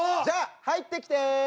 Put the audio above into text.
じゃあ入ってきて！